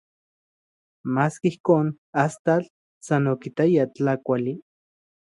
Maski ijkon, astatl san okitaya tlakuali.